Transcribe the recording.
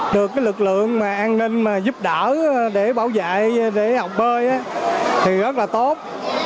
được lực lượng mà an ninh mà giúp đỡ để bảo vệ để học bơi thì rất là tốt